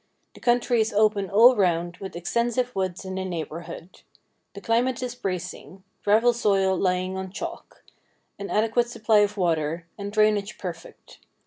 The country is open all round, with extensive woods in the neighbourhood. The climate is bracing ; gravel soil lying on chalk, an adequate supply of water, and drainage perfect.